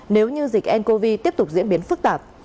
nếu như dịch ncov tiếp tục diễn biến phức tạp